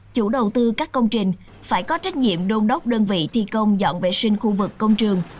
chủ đầu tư các công trình phải có trách nhiệm đôn đốc đơn vị thi công dọn vệ sinh khu vực công trường